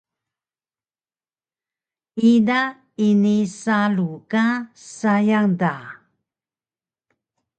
ida ini salu ka sayang da